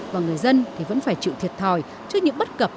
và người dân thì vẫn phải chịu thiệt thòi trước những bất cập